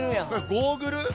ゴーグル？